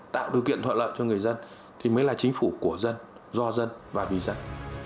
tạo điều kiện thuận lợi cho người dân thì mới là chính phủ của dân do dân và vì dân